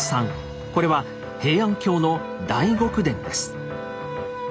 これは平安京の大極殿です。